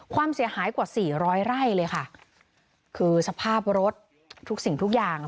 ความเสียหายกว่าสี่ร้อยไร่เลยค่ะคือสภาพรถทุกสิ่งทุกอย่าง